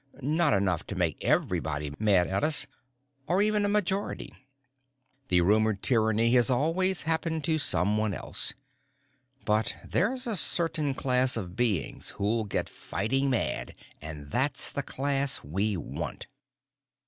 Not enough to make everybody mad at us, or even a majority the rumored tyranny has always happened to someone else. But there's a certain class of beings who'll get fighting mad, and that's the class we want."